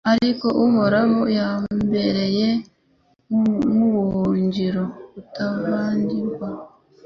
Ariko Uhoraho yambereye nk’ubuhungiro butavogerwa